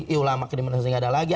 iulama ke lima s ini gak ada lagi